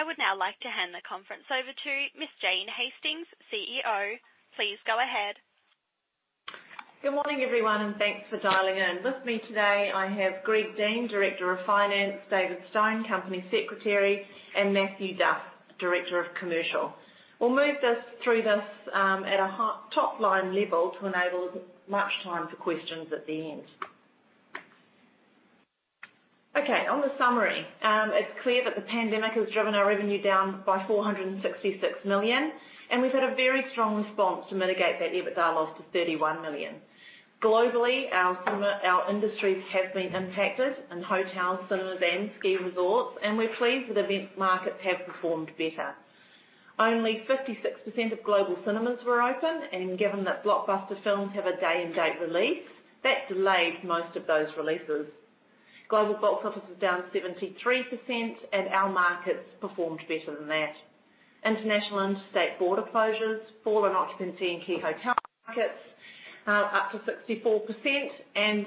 I would now like to hand the conference over to Ms. Jane Hastings, CEO. Please go ahead. Good morning, everyone, thanks for dialing in. With me today, I have Greg Dean, Director of Finance, David Stone, Company Secretary, and Mathew Duff, Director of Commercial. We'll move through this at a top-line level to enable much time for questions at the end. Okay, on the summary. It's clear that the pandemic has driven our revenue down by 466 million, and we've had a very strong response to mitigate that EBITDA loss to 31 million. Globally, our industries have been impacted in hotels, cinemas, and ski resorts, and we're pleased that EVT markets have performed better. Only 56% of global cinemas were open, and given that blockbuster films have a day-and-date release, that delayed most of those releases. Global box office is down 73%, and our markets performed better than that. International and state border closures fallen occupancy in key hotel markets up to 64%.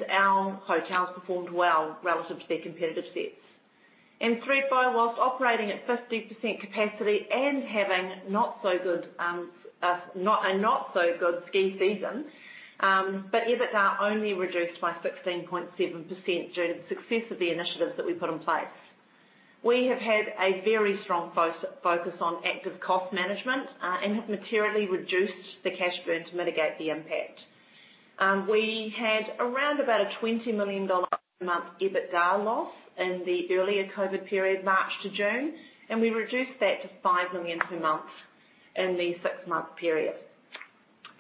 Our hotels performed well relative to their competitive sets. Thredbo, whilst operating at 50% capacity and having a not so good ski season, EBITDA only reduced by 16.7% due to the success of the initiatives that we put in place. We have had a very strong focus on active cost management and have materially reduced the cash burn to mitigate the impact. We had around about an 20 million dollar a month EBITDA loss in the earlier COVID period, March to June. We reduced that to 5 million per month in the six-month period.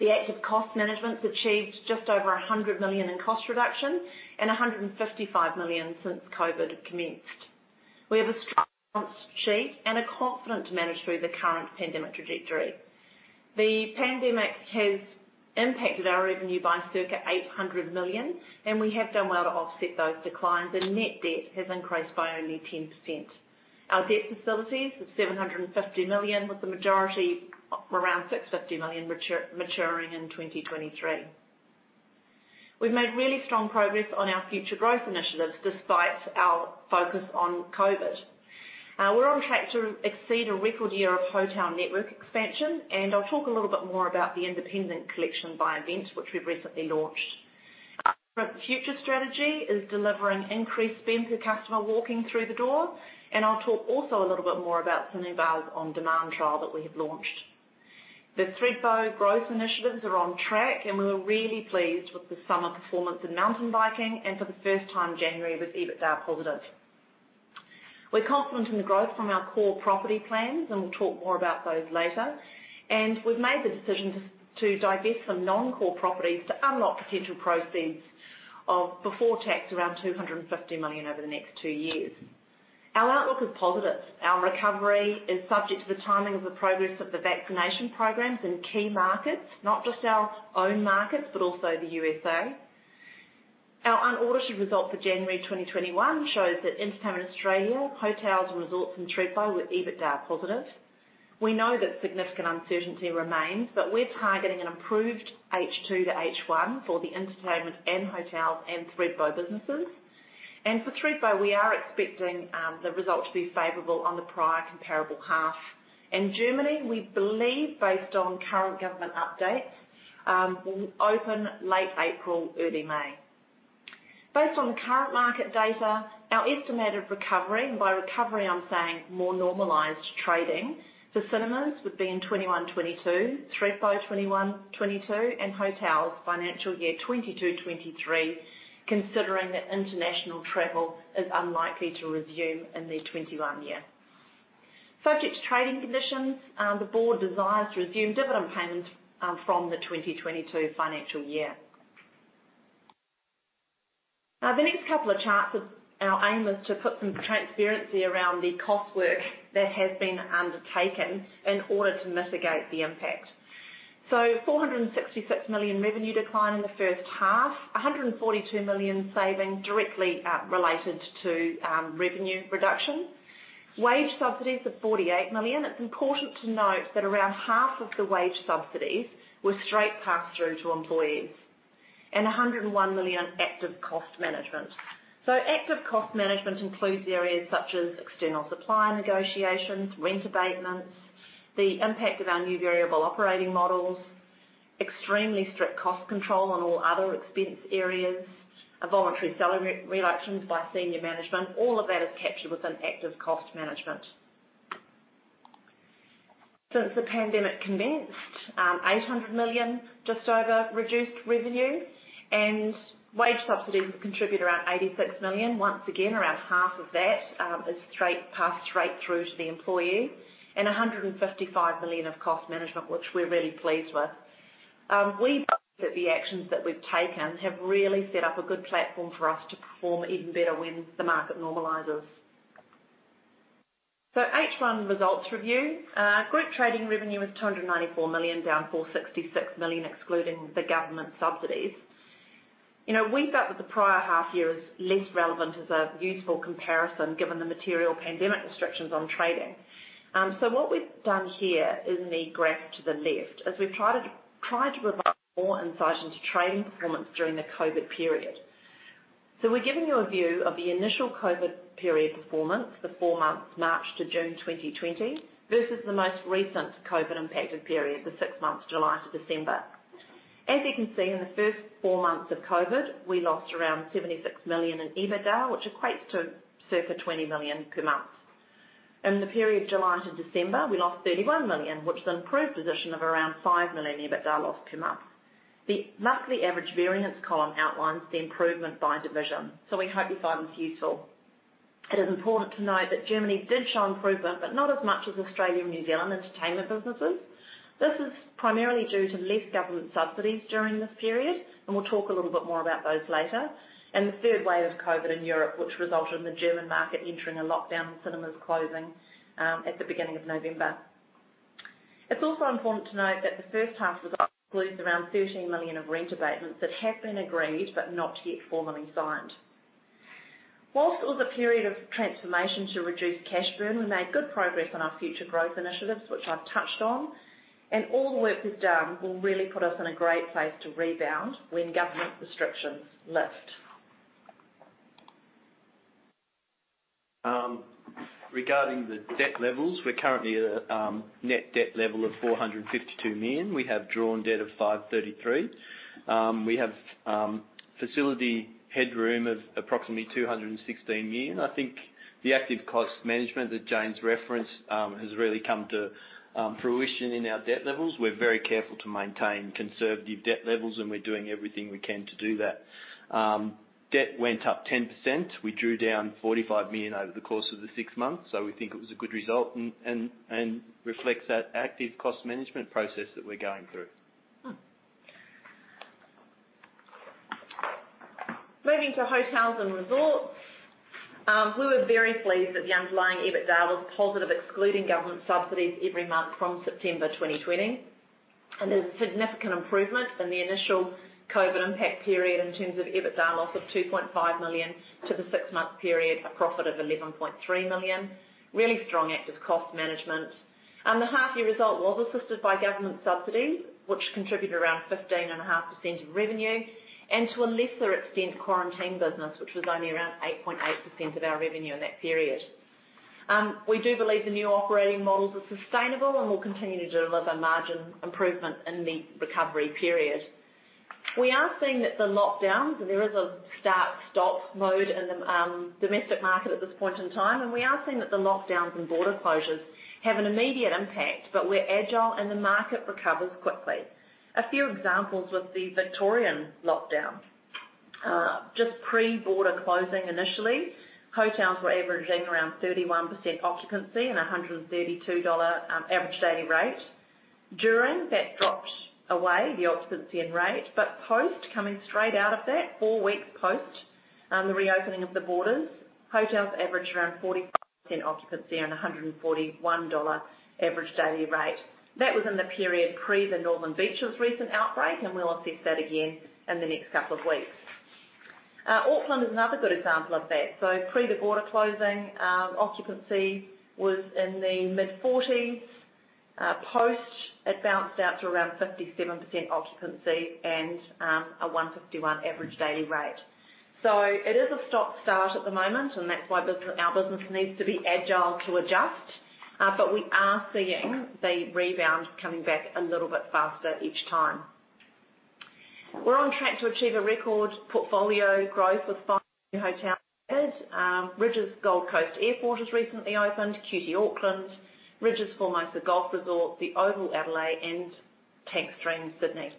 The active cost management's achieved just over 100 million in cost reduction and 155 million since COVID commenced. We have a strong balance sheet and are confident to manage through the current pandemic trajectory. The pandemic has impacted our revenue by circa 800 million, and we have done well to offset those declines, and net debt has increased by only 10%. Our debt facilities of 750 million, with the majority around 650 million maturing in 2023. We've made really strong progress on our future growth initiatives despite our focus on COVID. We're on track to exceed a record year of hotel network expansion, and I'll talk a little bit more about the Independent Collection by EVT, which we've recently launched. Our Future strategy is delivering increased spend per customer walking through the door, and I'll talk also a little bit more about Cinebuzz On Demand trial that we have launched. The Thredbo growth initiatives are on track, and we were really pleased with the summer performance in mountain biking, and for the first time, January was EBITDA positive. We're confident in the growth from our core property plans, and we'll talk more about those later. We've made the decision to divest some non-core properties to unlock potential proceeds of before tax, around 250 million over the next two years. Our outlook is positive. Our recovery is subject to the timing of the progress of the vaccination programs in key markets, not just our own markets, but also the U.S.A. Our unaudited result for January 2021 shows that Entertainment Australia, hotels and resorts, and Thredbo were EBITDA positive. We know that significant uncertainty remains, but we're targeting an improved H2 to H1 for the entertainment and hotels and Thredbo businesses. For Thredbo, we are expecting the result to be favorable on the prior comparable half. In Germany, we believe based on current government updates, will open late April, early May. Based on the current market data, our estimated recovery, and by recovery, I am saying more normalized trading, for cinemas would be in 2021, 2022, Thredbo 2021, 2022, and hotels financial year 2022, 2023, considering that international travel is unlikely to resume in the 2021 year. Subject to trading conditions, the board desires to resume dividend payments from the 2022 financial year. The next couple of charts, our aim is to put some transparency around the cost work that has been undertaken in order to mitigate the impact. 466 million revenue decline in the first half, 142 million saving directly related to revenue reduction. Wage subsidies of 48 million. It is important to note that around half of the wage subsidies were straight pass-through to employees. 101 million active cost management. Active cost management includes areas such as external supplier negotiations, rent abatements, the impact of our new variable operating models, extremely strict cost control on all other expense areas, voluntary salary reductions by senior management. All of that is captured within active cost management. Since the pandemic commenced, 800 million, just over, reduced revenue, and wage subsidies have contributed around 86 million. Once again, around half of that is passed straight through to the employee. 155 million of cost management, which we're really pleased with. We believe that the actions that we've taken have really set up a good platform for us to perform even better when the market normalizes. H1 results review. Group trading revenue was AUD 294 million, down AUD 466 million, excluding the government subsidies. We felt that the prior half year is less relevant as a useful comparison, given the material pandemic restrictions on trading. What we've done here in the graph to the left is we've tried to provide more insight into trading performance during the COVID period. We're giving you a view of the initial COVID period performance, the four months March to June 2020, versus the most recent COVID impacted period, the six months July to December. As you can see, in the first four months of COVID, we lost around 76 million in EBITDA, which equates to circa 20 million per month. In the period July to December, we lost 31 million, which is an improved position of around 5 million EBITDA loss per month. The monthly average variance column outlines the improvement by division. We hope you find this useful. It is important to note that Germany did show improvement, but not as much as Australia and New Zealand entertainment businesses. This is primarily due to less government subsidies during this period, we'll talk a little bit more about those later. The third wave of COVID in Europe, which resulted in the German market entering a lockdown, with cinemas closing at the beginning of November. It's also important to note that the first half results exclude around 13 million of rent abatements that have been agreed but not yet formally signed. Whilst it was a period of transformation to reduce cash burn, we made good progress on our future growth initiatives, which I've touched on. All the work we've done will really put us in a great place to rebound when government restrictions lift. Regarding the debt levels, we're currently at a net debt level of 452 million. We have drawn debt of 533. We have facility headroom of approximately 216 million. I think the active cost management that Jane's referenced has really come to fruition in our debt levels. We're very careful to maintain conservative debt levels. We're doing everything we can to do that. Debt went up 10%. We drew down 45 million over the course of the six months, so we think it was a good result and reflects that active cost management process that we're going through. Moving to hotels and resorts. We were very pleased that the underlying EBITDA was positive, excluding government subsidies every month from September 2020. There was a significant improvement in the initial COVID impact period in terms of EBITDA loss of 2.5 million to the six-month period, a profit of 11.3 million. Really strong active cost management. The half year result was assisted by government subsidies, which contributed around 15.5% of revenue, and to a lesser extent, quarantine business, which was only around 8.8% of our revenue in that period. We do believe the new operating models are sustainable and will continue to deliver margin improvement in the recovery period. We are seeing that the lockdowns, there is a start-stop mode in the domestic market at this point in time. We are seeing that the lockdowns and border closures have an immediate impact, but we're agile and the market recovers quickly. A few examples with the Victorian lockdowns. Just pre-border closing initially, hotels were averaging around 31% occupancy and 132 dollar average daily rate. During, that dropped away, the occupancy and rate. Post, coming straight out of that, four weeks post the reopening of the borders, hotels averaged around 45% occupancy and 141 dollar average daily rate. That was in the period pre the Northern Beaches recent outbreak, and we'll assess that again in the next couple of weeks. Auckland is another good example of that. Pre the border closing, occupancy was in the mid-40%s. Post, it bounced out to around 57% occupancy and a 151 average daily rate. It is a stop-start at the moment, and that's why our business needs to be agile to adjust. We are seeing the rebound coming back a little bit faster each time. We're on track to achieve a record portfolio growth with five new hotel opened. Rydges Gold Coast Airport has recently opened, QT Auckland, Rydges Formosa Golf Resort, The Oval Adelaide, and Tank Stream Sydney.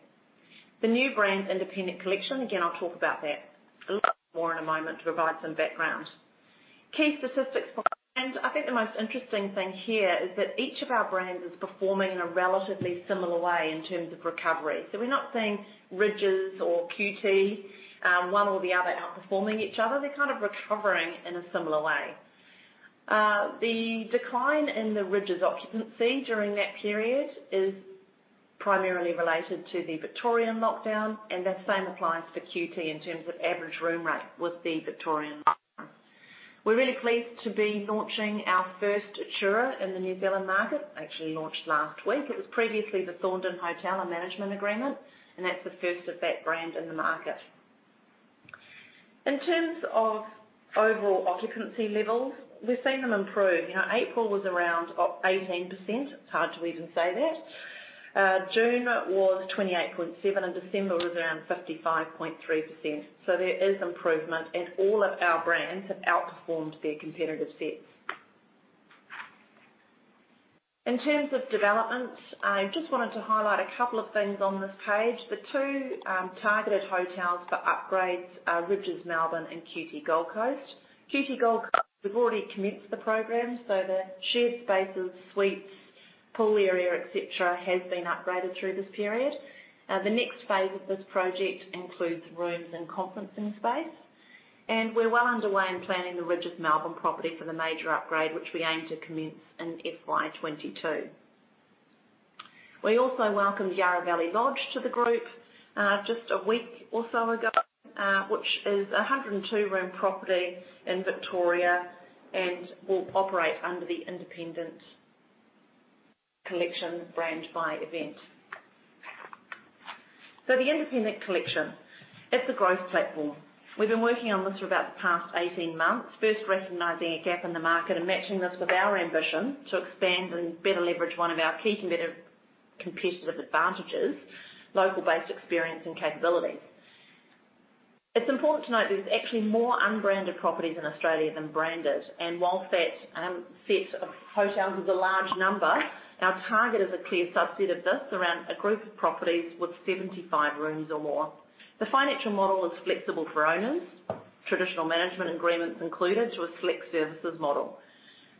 The new brand Independent Collection, again, I'll talk about that a little bit more in a moment to provide some background. Key statistics. I think the most interesting thing here is that each of our brands is performing in a relatively similar way in terms of recovery. We're not seeing Rydges or QT, one or the other outperforming each other. They're kind of recovering in a similar way. The decline in the Rydges occupancy during that period is primarily related to the Victorian lockdown, and the same applies to QT in terms of average room rate with the Victorian lockdown. We're really pleased to be launching our first Atura in the New Zealand market. Actually launched last week. It was previously The Thorndon Hotel and Management Agreement, and that's the first of that brand in the market. In terms of overall occupancy levels, we've seen them improve. April was around 18%. It's hard to even say that. June was 28.7%. December was around 55.3%. There is improvement. All of our brands have outperformed their competitive sets. In terms of developments, I just wanted to highlight a couple of things on this page. The two targeted hotels for upgrades are Rydges Melbourne and QT Gold Coast. QT Gold Coast, we've already commenced the program. The shared spaces, suites, pool area, et cetera, has been upgraded through this period. The next phase of this project includes rooms and conferencing space. We're well underway in planning the Rydges Melbourne property for the major upgrade, which we aim to commence in FY 2022. We also welcomed Yarra Valley Lodge to the group just a week or so ago, which is a 102-room property in Victoria and will operate under the Independent Collection by EVT. The Independent Collection, it's a growth platform. We've been working on this for about the past 18 months. First, recognizing a gap in the market and matching this with our ambition to expand and better leverage one of our key competitive advantages, local-based experience and capabilities. It's important to note there's actually more unbranded properties in Australia than branded, and whilst that set of hotels is a large number, our target is a clear subset of this around a group of properties with 75 rooms or more. The financial model is flexible for owners. Traditional management agreements included to a select services model.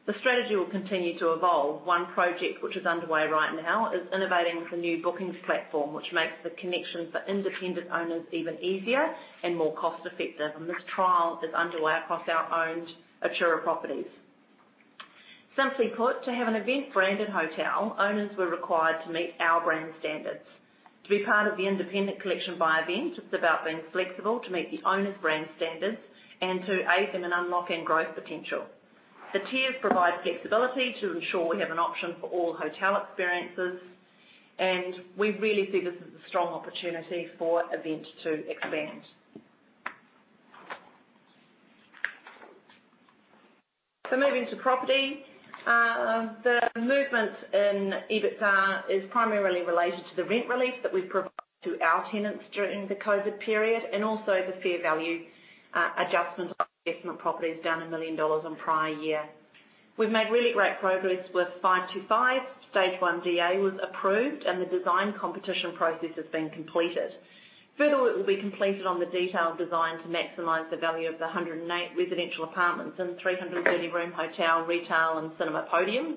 The strategy will continue to evolve. One project which is underway right now is innovating with a new bookings platform, which makes the connection for independent owners even easier and more cost-effective. This trial is underway across our owned Atura properties. Simply put, to have an EVT branded hotel, owners were required to meet our brand standards. To be part of the Independent Collection by EVT, it's about being flexible to meet the owner's brand standards and to aid them in unlocking growth potential. The tiers provide flexibility to ensure we have an option for all hotel experiences, we really see this as a strong opportunity for EVT to expand. Moving to property. The movement in EBITDA is primarily related to the rent relief that we provide to our tenants during the COVID period, and also the fair value adjustment of investment properties down 1 million dollars on prior year. We've made really great progress with 525. Stage One DA was approved, and the design competition process has been completed. Further, it will be completed on the detailed design to maximize the value of the 108 residential apartments and 330-room hotel, retail, and cinema podium.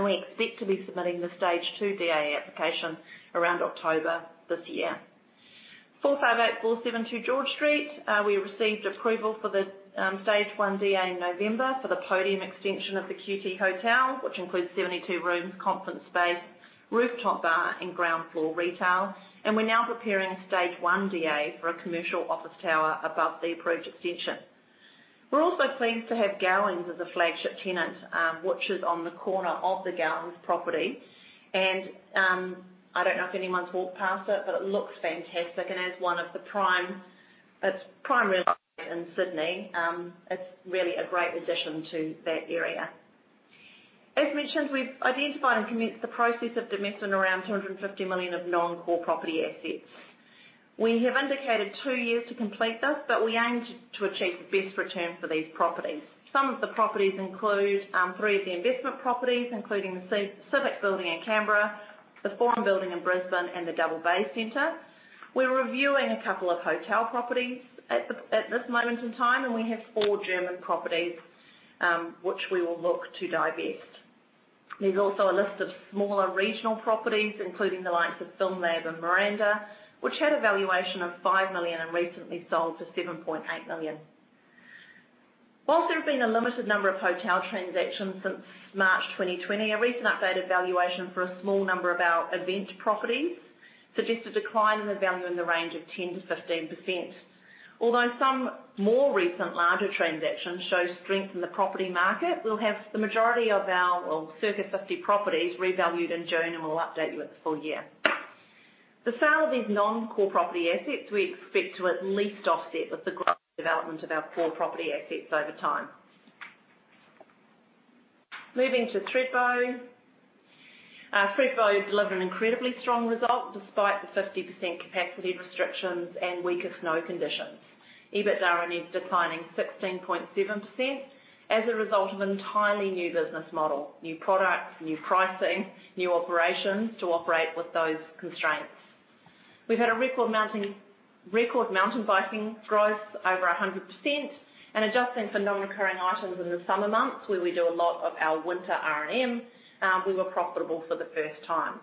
We expect to be submitting the Stage Two DA application around October this year. 458-472 George Street, we received approval for the Stage One DA in November for the podium extension of the QT Hotel, which includes 72 rooms, conference space, rooftop bar and ground floor retail. We're now preparing Stage One DA for a commercial office tower above the approved extension. We're also pleased to have Gowings as a flagship tenant, which is on the corner of the Gowings property. I don't know if anyone's walked past it, but it looks fantastic and it's prime real estate in Sydney. It's really a great addition to that area. As mentioned, we've identified and commenced the process of divesting around 250 million of non-core property assets. We have indicated two years to complete this, but we aim to achieve the best return for these properties. Some of the properties include three of the investment properties, including the Civic Building in Canberra, the Forum Building in Brisbane, and the Double Bay Centre. We're reviewing a couple of hotel properties at this moment in time, and we have four German properties, which we will look to divest. There's also a list of smaller regional properties, including the likes of FilmLab in Miranda, which had a valuation of 5 million and recently sold for 7.8 million. There have been a limited number of hotel transactions since March 2020, a recent updated valuation for a small number of our EVT properties suggests a decline in the value in the range of 10%-15%. Some more recent larger transactions show strength in the property market, we'll have the majority of our circa 50 properties revalued in June, and we'll update you at the full year. The sale of these non-core property assets, we expect to at least offset with the growth and development of our core property assets over time. Moving to Thredbo. Thredbo delivered an incredibly strong result despite the 50% capacity restrictions and weaker snow conditions. EBITDA declining 16.7% as a result of an entirely new business model. New products, new pricing, new operations to operate with those constraints. We've had a record mountain biking growth over 100%, adjusting for non-recurring items in the summer months where we do a lot of our winter R&M, we were profitable for the first time.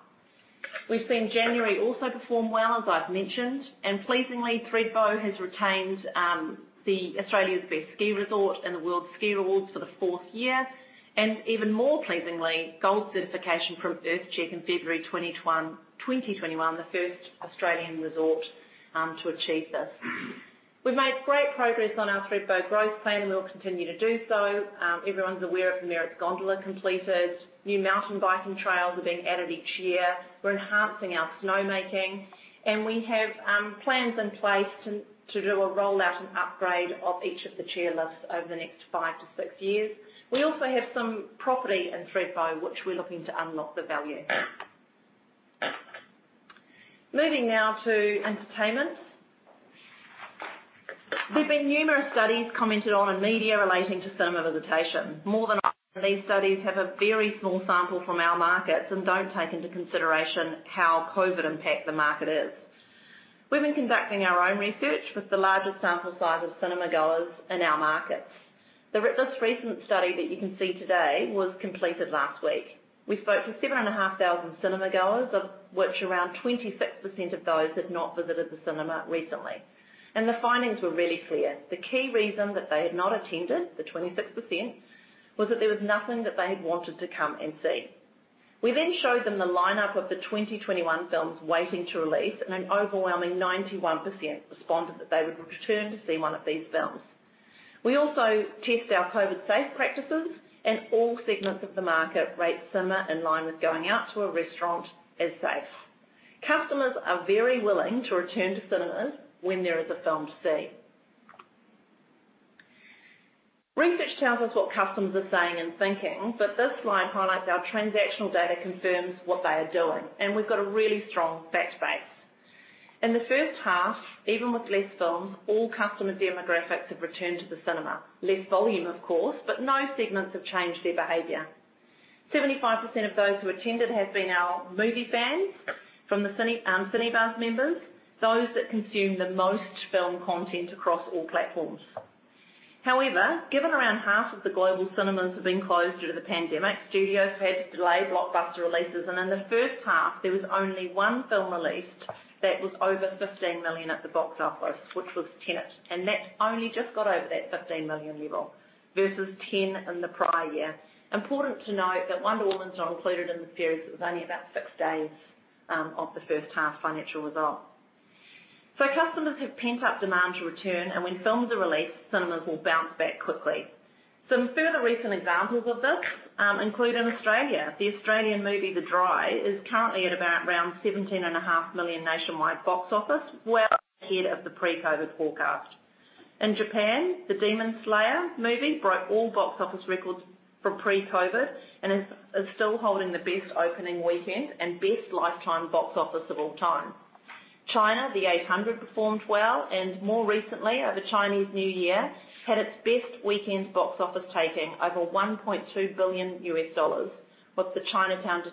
We've seen January also perform well, as I've mentioned. Pleasingly, Thredbo has retained the Australian's Best Ski Resort in the World Ski Awards for the fourth year. Even more pleasingly, Gold Certification from EarthCheck in February 2021, the first Australian resort to achieve this. We've made great progress on our Thredbo growth plan, we'll continue to do so. Everyone's aware of the Merritts Gondola completed. New mountain biking trails are being added each year. We're enhancing our snowmaking, and we have plans in place to do a rollout and upgrade of each of the chairlifts over the next five to six years. We also have some property in Thredbo which we're looking to unlock the value. Moving now to entertainment. There's been numerous studies commented on in media relating to cinema visitation. More than often, these studies have a very small sample from our markets and don't take into consideration how COVID impacted the market is. We've been conducting our own research with the largest sample size of cinema goers in our markets. This recent study that you can see today was completed last week. We spoke to 7,500 cinema goers, of which around 26% of those had not visited the cinema recently. The findings were really clear. The key reason that they had not attended, the 26%, was that there was nothing that they had wanted to come and see. We have ensured them a line-up of the 2021 films waiting to release. An overwhelming 91% responded that they would return to see one of these films. We also test our COVID safe practices, and all segments of the market rate cinema in line with going out to a restaurant as safe. Customers are very willing to return to cinemas when there is a film to see. Research tells us what customers are saying and thinking, this slide highlights our transactional data confirms what they are doing, and we've got a really strong fact base. In the first half, even with less films, all customer demographics have returned to the cinema. Less volume, of course, no segments have changed their behavior. 75% of those who attended have been our movie fans from the Cinebuzz members, those that consume the most film content across all platforms. Given around half of the global cinemas have been closed due to the pandemic, studios have had to delay blockbuster releases, and in the first half, there was only one film released that was over 15 million at the box office, which was Tenet, and that only just got over that 15 million level, versus 10 in the prior year. Important to note that Wonder Woman is not included in this series. It was only about six days of the first half financial result. Customers have pent-up demand to return, and when films are released, cinemas will bounce back quickly. Some further recent examples of this include in Australia, the Australian movie, "The Dry," is currently at about 17.5 million nationwide box office, well ahead of the pre-COVID forecast. In Japan, the Demon Slayer movie broke all box office records from pre-COVID and is still holding the best opening weekend and best lifetime box office of all time. China, "The Eight Hundred" performed well, more recently, over Chinese New Year, had its best weekend box office taking, over $1.2 billion, with the "Detective Chinatown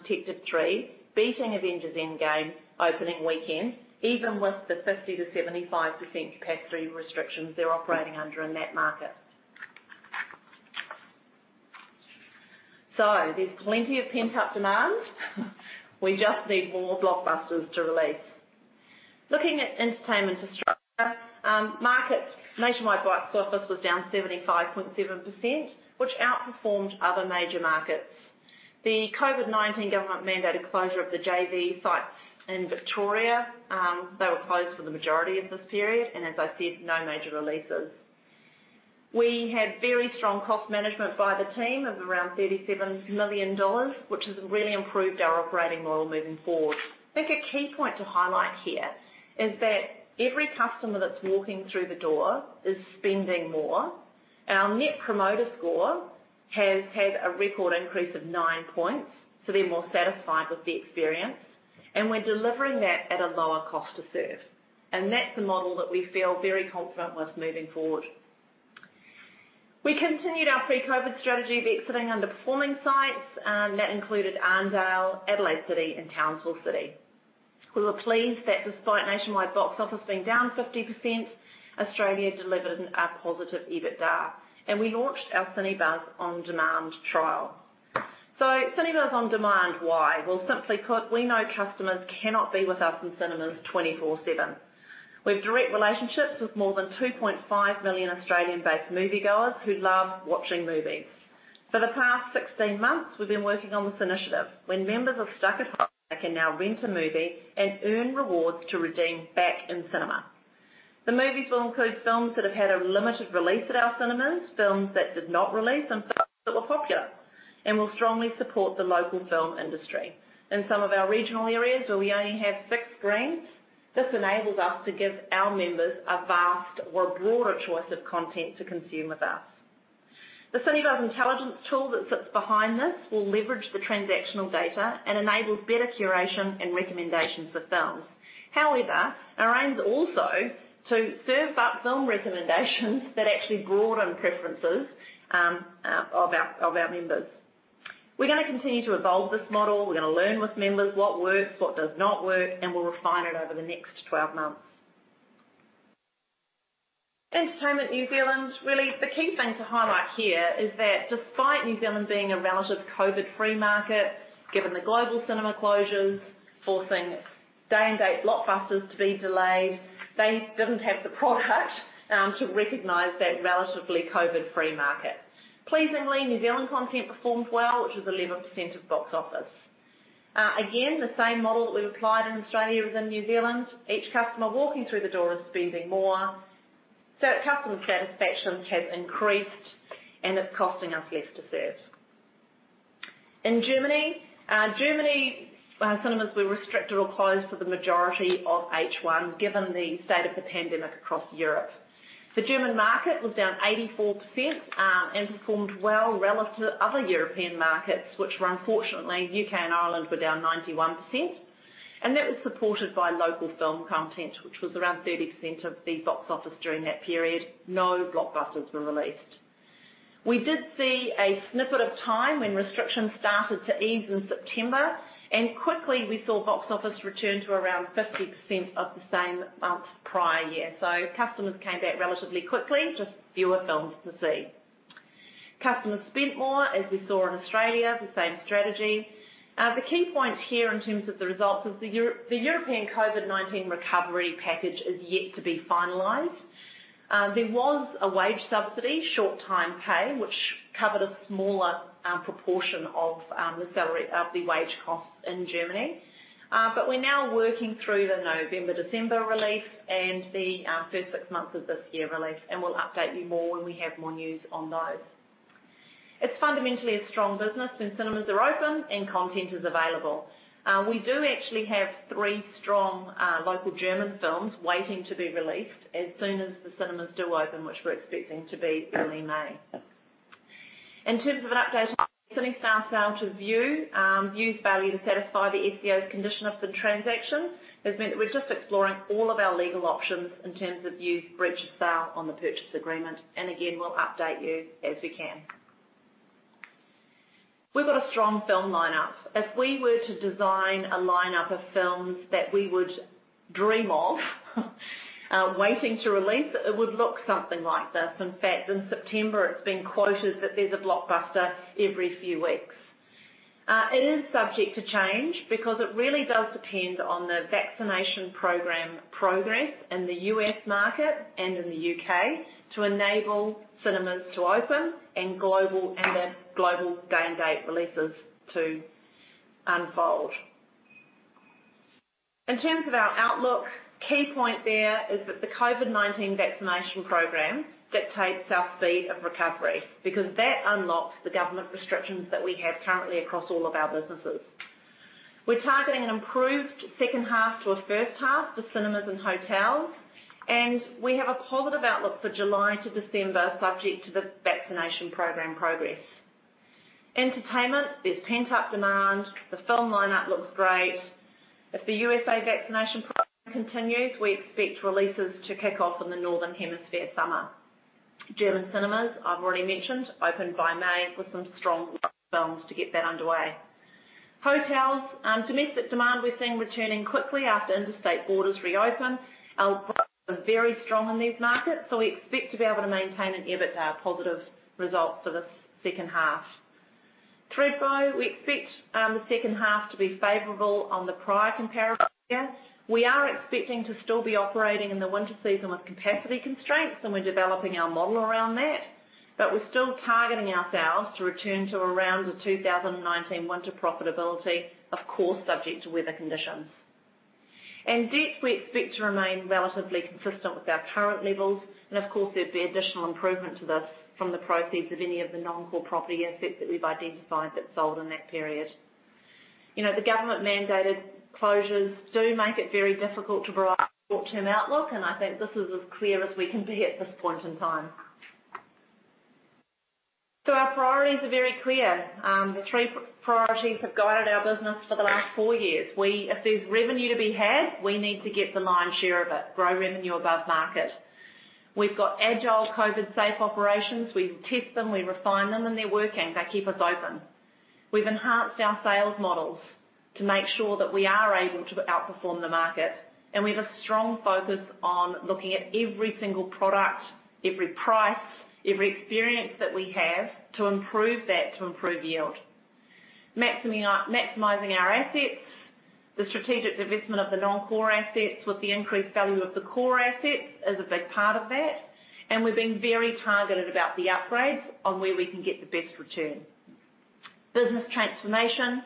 3" beating Avengers: Endgame opening weekend, even with the 50%-75% capacity restrictions they're operating under in that market. There's plenty of pent-up demand. We just need more blockbusters to release. Looking at entertainment structure, nationwide box office was down 75.7%, which outperformed other major markets. The COVID-19 government-mandated closure of the JV sites in Victoria, they were closed for the majority of this period, as I said, no major releases. We had very strong cost management by the team of around 37 million dollars, which has really improved our operating model moving forward. I think a key point to highlight here is that every customer that's walking through the door is spending more. Our Net Promoter Score has had a record increase of nine points, they're more satisfied with the experience, and we're delivering that at a lower cost to serve. That's a model that we feel very confident with moving forward. We continued our pre-COVID strategy of exiting underperforming sites, that included Arndale, Adelaide City, and Townsville City. We were pleased that despite nationwide box office being down 50%, Australia delivered a positive EBITDA, and we launched our Cinebuzz On Demand trial. Cinebuzz On Demand, why? Well, simply put, we know customers cannot be with us in cinemas 24/7. We have direct relationships with more than 2.5 million Australian-based moviegoers who love watching movies. For the past 16 months, we've been working on this initiative. When members are stuck at home, they can now rent a movie and earn rewards to redeem back in cinema. The movies will include films that have had a limited release at our cinemas, films that did not release, and films that were popular and will strongly support the local film industry. In some of our regional areas where we only have six screens, this enables us to give our members a vast or broader choice of content to consume with us. The Cinebuzz intelligence tool that sits behind this will leverage the transactional data and enable better curation and recommendations for films. However, it aims also to serve up film recommendations that actually broaden preferences of our members. We're going to continue to evolve this model. We're going to learn with members what works, what does not work, and we'll refine it over the next 12 months. Entertainment New Zealand, really the key thing to highlight here is that despite New Zealand being a relative COVID-free market, given the global cinema closures forcing day-and-date blockbusters to be delayed, they didn't have the product to recognize that relatively COVID-free market. Pleasingly, New Zealand content performed well, which was 11% of box office. Again, the same model that we've applied in Australia as in New Zealand. Each customer walking through the door is spending more. Customer satisfaction has increased, and it's costing us less to serve. In Germany, cinemas were restricted or closed for the majority of H1, given the state of the pandemic across Europe. The German market was down 84%, and performed well relative to other European markets, which were unfortunately, U.K. and Ireland were down 91%, and that was supported by local film content, which was around 30% of the box office during that period. No blockbusters were released. We did see a snippet of time when restrictions started to ease in September, and quickly we saw box office return to around 50% of the same month prior year. Customers came back relatively quickly, just fewer films to see. Customers spent more, as we saw in Australia, the same strategy. The key point here in terms of the results is the European COVID-19 recovery package is yet to be finalized. There was a wage subsidy, short-time pay, which covered a smaller proportion of the wage costs in Germany. We're now working through the November, December release and the first six months of this year release, and we'll update you more when we have more news on those. It's fundamentally a strong business when cinemas are open and content is available. We do actually have three strong local German films waiting to be released as soon as the cinemas do open, which we're expecting to be early May. In terms of an update on CineStar sale to Vue's failure to satisfy the SPA's condition of the transaction has meant that we're just exploring all of our legal options in terms of Vue's breach of sale on the purchase agreement. Again, we'll update you as we can. We've got a strong film lineup. If we were to design a lineup of films that we would dream of waiting to release, it would look something like this. In fact, in September, it's been quoted that there's a blockbuster every few weeks. It is subject to change because it really does depend on the vaccination program progress in the U.S. market and in the U.K. to enable cinemas to open and their global day-and-date releases to unfold. In terms of our outlook, key point there is that the COVID-19 vaccination program dictates our speed of recovery because that unlocks the government restrictions that we have currently across all of our businesses. We're targeting an improved second half to a first half for cinemas and hotels, and we have a positive outlook for July to December subject to the vaccination program progress. Entertainment, there's pent-up demand. The film lineup looks great. If the U.S.A. vaccination program continues, we expect releases to kick off in the Northern Hemisphere summer. German cinemas, I've already mentioned, open by May with some strong films to get that underway. Hotels. Domestic demand we're seeing returning quickly after interstate borders reopen. Our products are very strong in these markets, we expect to be able to maintain an EBITDA positive result for the second half. Thredbo, we expect the second half to be favorable on the prior comparable. We are expecting to still be operating in the winter season with capacity constraints, we're developing our model around that. We're still targeting ourselves to return to around the 2019 winter profitability, of course, subject to weather conditions. Debt, we expect to remain relatively consistent with our current levels. Of course, there'd be additional improvement to this from the proceeds of any of the non-core property assets that we've identified if it's sold in that period. The government-mandated closures do make it very difficult to provide short-term outlook, and I think this is as clear as we can be at this point in time. Our priorities are very clear. The three priorities have guided our business for the last four years. If there's revenue to be had, we need to get the lion's share of it. Grow revenue above market. We've got agile COVID-safe operations. We test them, we refine them, and they're working. They keep us open. We've enhanced our sales models to make sure that we are able to outperform the market. We've a strong focus on looking at every single product, every price, every experience that we have to improve that to improve yield. Maximizing our assets. The strategic divestment of the non-core assets with the increased value of the core assets is a big part of that, and we're being very targeted about the upgrades on where we can get the best return. Business transformation.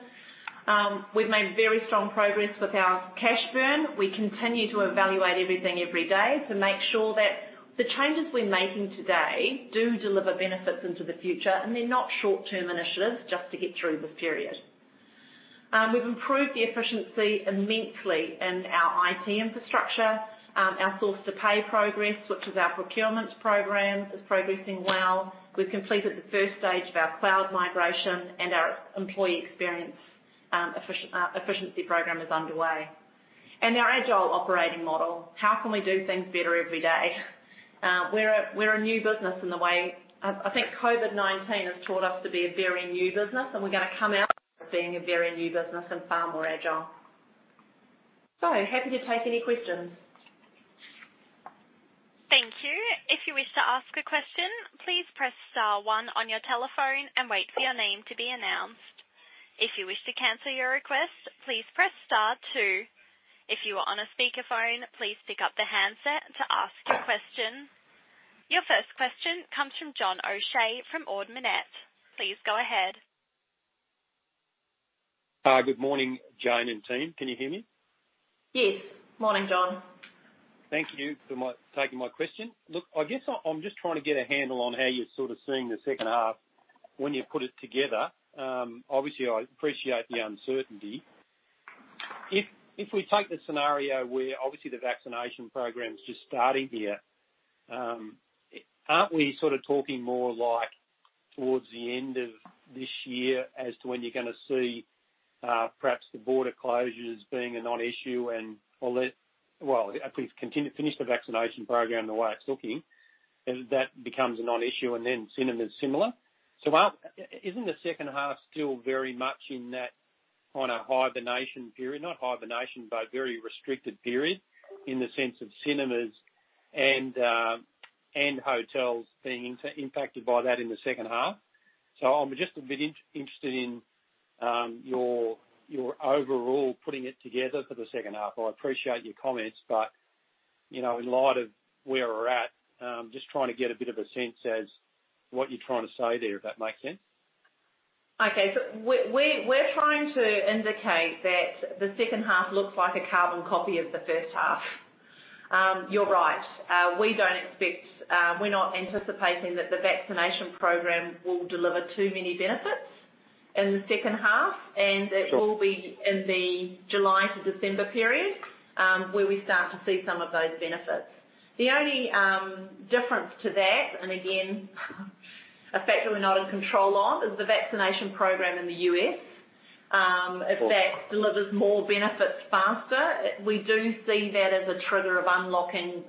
We've made very strong progress with our cash burn. We continue to evaluate everything every day to make sure that the changes we're making today do deliver benefits into the future, and they're not short-term initiatives just to get through this period. We've improved the efficiency immensely in our IT infrastructure. Our source-to-pay progress, which is our procurement program, is progressing well. We've completed the stage 1 of our cloud migration and our employee experience efficiency program is underway. Our agile operating model. How can we do things better every day? We're a new business. I think COVID-19 has taught us to be a very new business, we're going to come out being a very new business and far more agile. Happy to take any questions. Thank you. If you wish to ask a question, please press star one on your telephone and wait for your name to be announced. If you wish to cancel your request, please press star two. If you are on a speakerphone, please pickup the handset to ask your question. Your first question comes from John O'Shea from Ord Minnett. Please go ahead. Hi. Good morning, Jane and team. Can you hear me? Yes. Morning, John. Thank you for taking my question. I guess I'm just trying to get a handle on how you're sort of seeing the second half when you put it together. Obviously, I appreciate the uncertainty. If we take the scenario where obviously the vaccination program's just starting here, aren't we sort of talking more like towards the end of this year as to when you're going to see perhaps the border closures being a non-issue and all that? At least finish the vaccination program the way it's looking, and that becomes a non-issue and then cinema is similar. Isn't the second half still very much in that kind of hibernation period? Not hibernation, but very restricted period in the sense of cinemas and hotels being impacted by that in the second half. I'm just a bit interested in your overall putting it together for the second half. I appreciate your comments, but in light of where we're at, I'm just trying to get a bit of a sense as what you're trying to say there, if that makes sense. Okay. We're trying to indicate that the second half looks like a carbon copy of the first half. You're right. We're not anticipating that the vaccination program will deliver too many benefits in the second half. Sure. It will be in the July to December period, where we start to see some of those benefits. The only difference to that, and again, a factor we're not in control of, is the vaccination program in the U.S. Of course. If that delivers more benefits faster, we do see that as a trigger of unlocking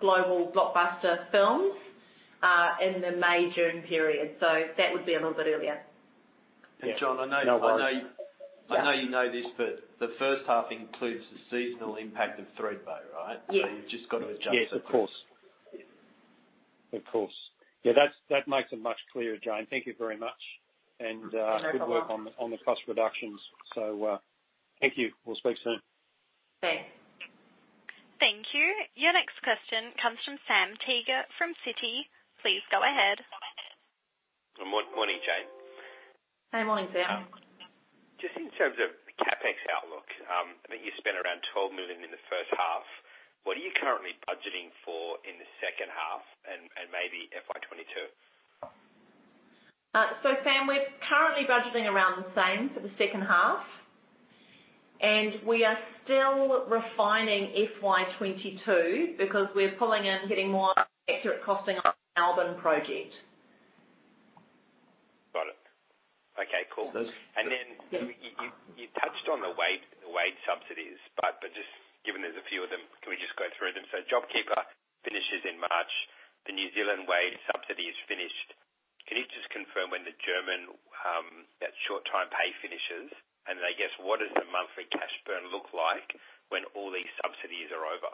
global blockbuster films in the May-June period. That would be a little bit earlier. Yeah. John, No worries I know you know this, the first half includes the seasonal impact of Thredbo, right? Yeah. You've just got to adjust it. Yes, of course. Yeah. Of course. Yeah, that makes it much clearer, Jane. Thank you very much. No problem. Good work on the cost reductions. Thank you. We'll speak soon. Okay. Thank you. Your next question comes from Sam Teeger from Citi. Please go ahead. Good morning, Jane. Hey, morning Sam. In terms of the CapEx outlook, I think you spent around 12 million in the first half. What are you currently budgeting for in the second half and maybe FY 2022? Sam, we're currently budgeting around the same for the second half, and we are still refining FY 2022 because we're pulling in, getting more accurate costing on the Melbourne project. Got it. Okay, cool. That's- Yeah. You touched on the wage subsidies, just given there's a few of them, can we just go through them? JobKeeper finishes in March. The New Zealand wage subsidy is finished. Can you just confirm when the German short-time pay finishes? I guess, what does the monthly cash burn look like when all these subsidies are over?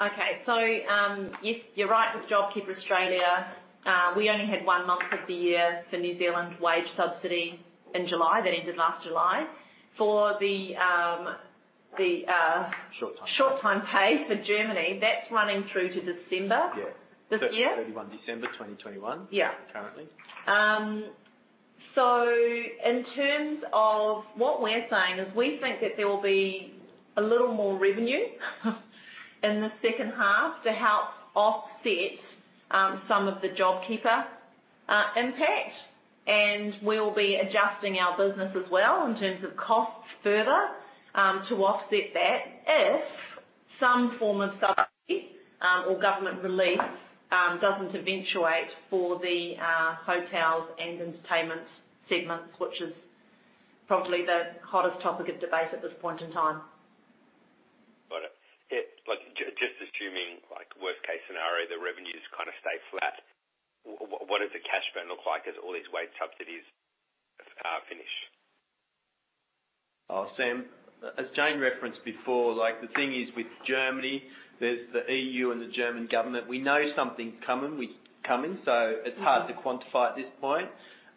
Okay. you're right with JobKeeper Australia. We only had one month of the year for New Zealand wage subsidy in July. That ended last July. Short-time pay. Short-time pay for Germany, that is running through to December. Yeah. This year. 31 December 2021. Yeah. Currently. In terms of what we're saying, is we think that there will be a little more revenue in the second half to help offset some of the JobKeeper impact, and we'll be adjusting our business as well in terms of costs further, to offset that if some form of subsidy or government relief doesn't eventuate for the hotels and entertainment segments, which is probably the hottest topic of debate at this point in time. Got it. Just assuming worst case scenario, the revenues kind of stay flat. What does the cash burn look like as all these wage subsidies finish? Sam, as Jane referenced before, the thing is with Germany, there's the EU and the German government. We know something's coming. It's hard to quantify at this point.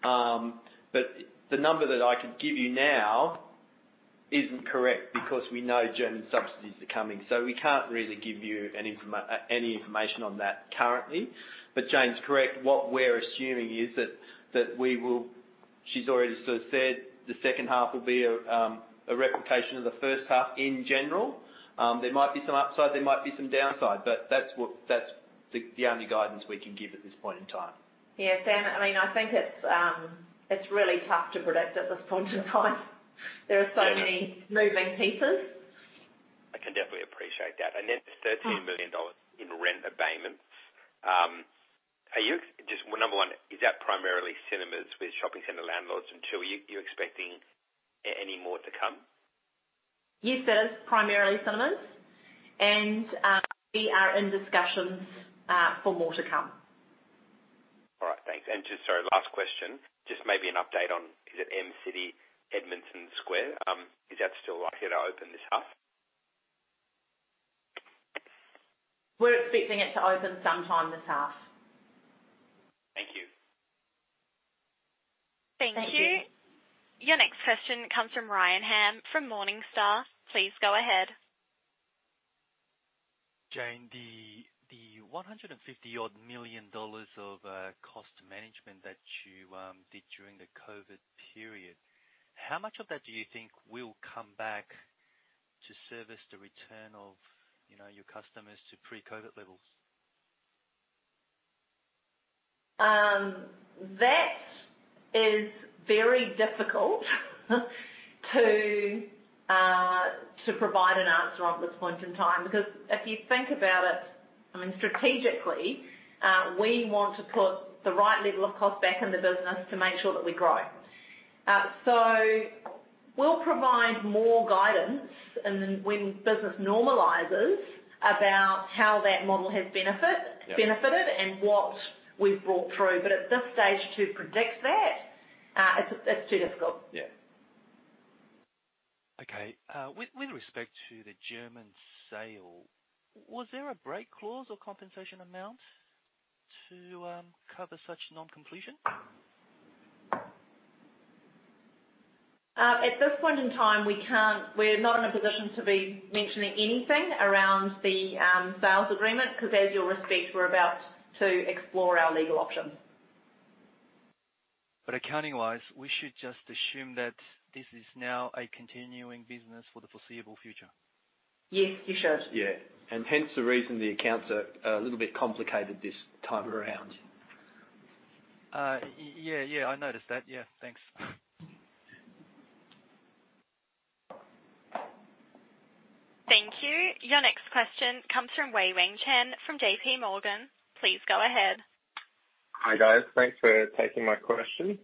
The number that I could give you now isn't correct because we know German subsidies are coming. We can't really give you any information on that currently. Jane's correct. What we're assuming is that She's already sort of said the second half will be a replication of the first half in general. There might be some upside, there might be some downside. That's the only guidance we can give at this point in time. Yeah. Sam, I think it's really tough to predict at this point in time. Yeah. Moving pieces. I can definitely appreciate that. There's 13 million dollars in rent abatements. Just number one, is that primarily cinemas with shopping center landlords? Two, are you expecting any more to come? Yes, Sam. It's primarily cinemas. We are in discussions for more to come. All right. Thanks. Just, sorry, last question. Just maybe an update on, is it M-City, Ed.Square? Is that still likely to open this half? We're expecting it to open sometime this half. Thank you. Thank you. Thank you. Your next question comes from Brian Han from Morningstar. Please go ahead. Jane, the 150 million dollars odd of cost management that you did during the COVID period, how much of that do you think will come back to service the return of your customers to pre-COVID levels? That is very difficult to provide an answer on at this point in time. If you think about it, strategically, we want to put the right level of cost back in the business to make sure that we grow. We'll provide more guidance when business normalizes about how that model has benefited. Yeah. What we've brought through. At this stage, to predict that, it's too difficult. Yeah. Okay. With respect to the German sale, was there a break clause or compensation amount to cover such non-completion? At this point in time, we're not in a position to be mentioning anything around the sales agreement, because as you'll respect, we're about to explore our legal options. Accounting-wise, we should just assume that this is now a continuing business for the foreseeable future. Yes, you should. Yeah. Hence the reason the accounts are a little bit complicated this time around. Yeah. I noticed that. Yeah. Thanks. Thank you. Your next question comes from Wei-Weng Chen from JPMorgan. Please go ahead. Hi, guys. Thanks for taking my question.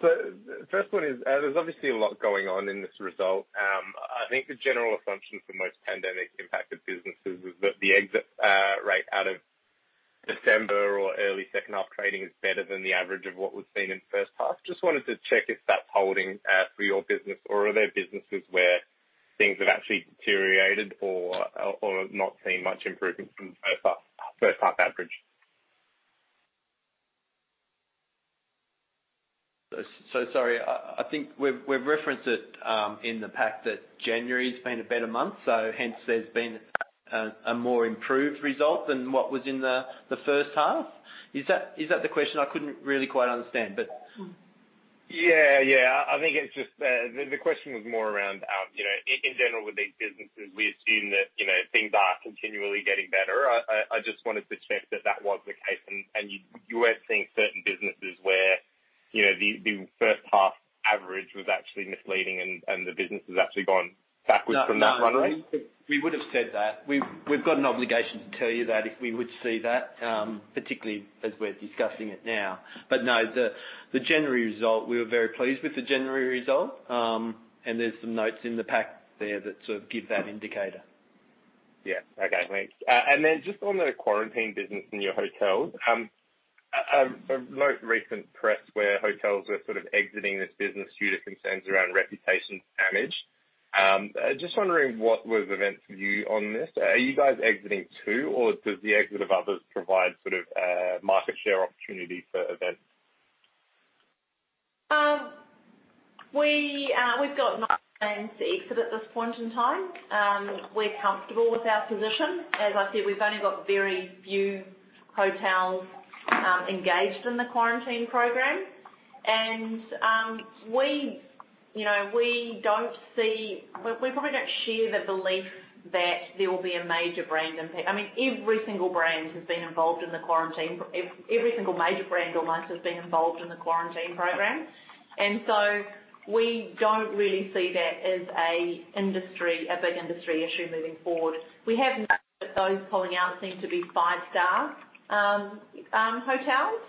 The first one is, there's obviously a lot going on in this result. I think the general assumption for most pandemic-impacted businesses is that the exit rate out of December or early second half trading is better than the average of what was seen in the first half. Just wanted to check if that's holding for your business or are there businesses where things have actually deteriorated or have not seen much improvement from first half average. Sorry. I think we've referenced it in the pack that January's been a better month, hence there's been a more improved result than what was in the first half. Is that the question? I couldn't really quite understand. Yeah. I think the question was more around, in general with these businesses, we assume that things are continually getting better. I just wanted to check that that was the case and you weren't seeing certain businesses where the first half average was actually misleading and the business has actually gone backwards from that runway. No. We would've said that. We've got an obligation to tell you that if we would see that, particularly as we're discussing it now. No, the January result, we were very pleased with the January result. There are some notes in the pack there that sort of give that indicator. Yeah. Okay. Thanks. Just on the quarantine business in your hotels. A most recent press where hotels were sort of exiting this business due to concerns around reputation damage. Just wondering what was EVT's view on this? Are you guys exiting too, or does the exit of others provide sort of a market share opportunity for EVT? We've got no plans to exit at this point in time. We're comfortable with our position. As I said, we've only got very few hotels engaged in the quarantine program. We probably don't share the belief that there will be a major brand impact. Every single major brand almost has been involved in the quarantine program. We don't really see that as a big industry issue moving forward. We have noticed that those pulling out seem to be five-star hotels.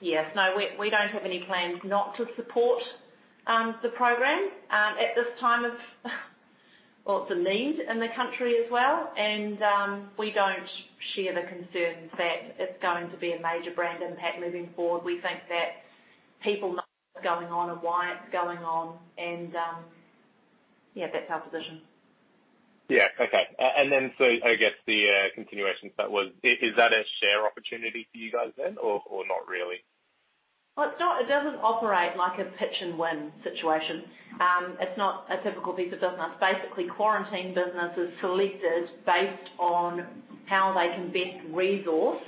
Yeah, no, we don't have any plans not to support the program. At this time, well, it's a need in the country as well. We don't share the concerns that it's going to be a major brand impact moving forward. We think that people know what's going on and why it's going on and, yeah, that's our position. Yeah. Okay. I guess the continuation to that was, is that a share opportunity for you guys then or not really? Well, it doesn't operate like a pitch and win situation. It's not a typical piece of business. Basically, quarantine business is selected based on how they can best resource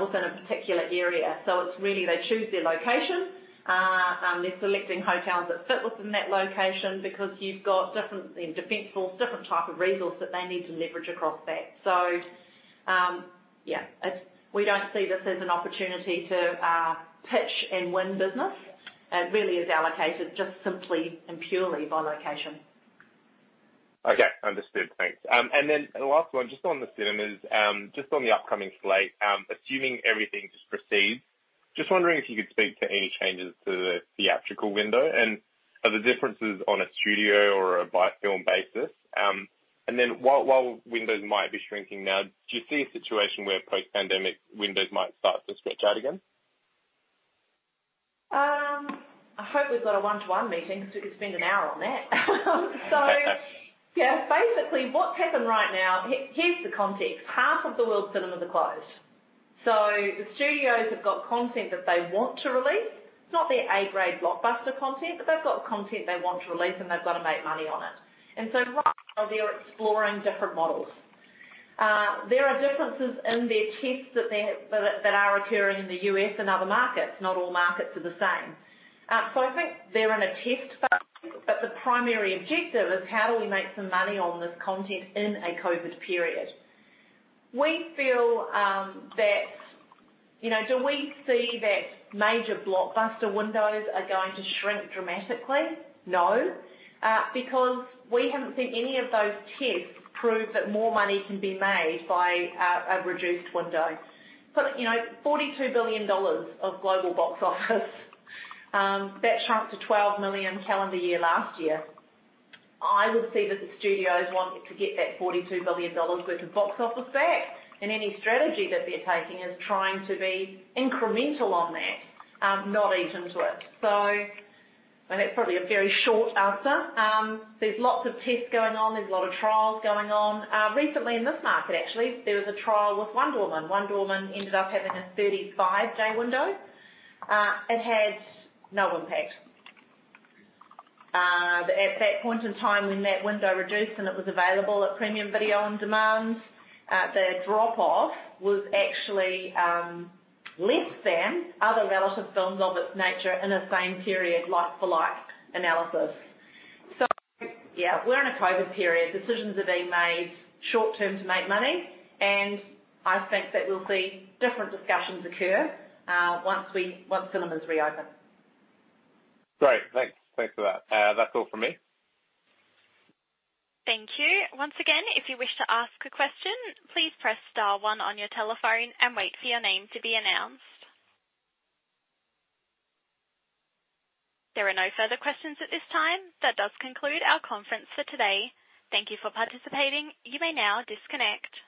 within a particular area. It's really, they choose their location. They're selecting hotels that fit within that location because you've got Defence Force, different type of resource that they need to leverage across that. Yeah. We don't see this as an opportunity to pitch and win business. It really is allocated just simply and purely by location. Okay. Understood. Thanks. The last one, just on the cinemas, just on the upcoming slate, assuming everything just proceeds, just wondering if you could speak to any changes to the theatrical window? Are there differences on a studio or a by film basis? While windows might be shrinking now, do you see a situation where post-pandemic windows might start to stretch out again? I hope we've got a one-to-one meeting because we could spend an hour on that. Yeah. Basically what's happened right now. Here's the context. Half of the world's cinemas are closed. The studios have got content that they want to release. It's not their A-grade blockbuster content, but they've got content they want to release, and they've got to make money on it. Right now they're exploring different models. There are differences in their tests that are occurring in the U.S. and other markets. Not all markets are the same. I think they're in a test phase, but the primary objective is how do we make some money on this content in a COVID period? Do we see that major blockbuster windows are going to shrink dramatically? We haven't seen any of those tests prove that more money can be made by a reduced window. $42 billion of global box office that shrunk to $12 billion calendar year last year. I would see that the studios wanting to get that $42 billion worth of box office back, any strategy that they're taking is trying to be incremental on that, not eaten into it. That's probably a very short answer. There's lots of tests going on. There's a lot of trials going on. Recently in this market, actually, there was a trial with Wonder Woman. Wonder Woman ended up having a 35-day window. It had no impact. At that point in time when that window reduced and it was available at Premium Video on Demand, the drop-off was actually less than other relative films of its nature in the same period, like for like analysis. Yeah, we're in a COVID period. Decisions are being made short-term to make money, and I think that we'll see different discussions occur once cinemas reopen. Great. Thanks for that. That's all from me. Thank you. Once again, if you wish to ask a question, please press star one on your telephone and wait for your name to be announced. There are no further questions at this time. That does conclude our conference for today. Thank you for participating. You may now disconnect.